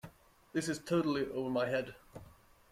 This is totally over my head.